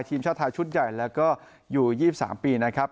ทีมชาติไทยชุดใหญ่แล้วก็อยู่๒๓ปีนะครับ